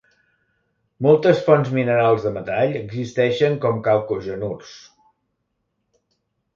Moltes fonts minerals de metall existeixen com calcogenurs.